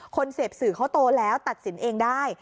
เสพสื่อเขาโตแล้วตัดสินเองได้